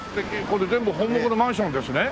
これ全部本牧のマンションですね。